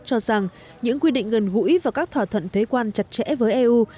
cho rằng những quy định gần gũi vào các thỏa thuận thế quan trả lời của nội các anh